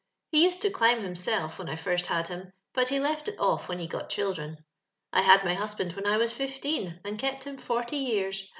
He used to climb himself when I first had him, but he left it oft' when he got children. I hod my husband when I was fifteen, and kept him forty years.